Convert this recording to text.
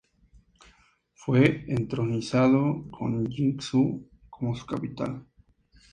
Fue entronizado, con Yin Xu como su capital.